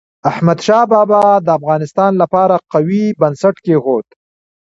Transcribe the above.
احمد شاه بابا د افغانستان لپاره قوي بنسټ کېښود.